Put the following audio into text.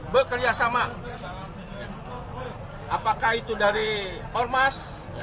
bekerjasama apakah itu dari ormas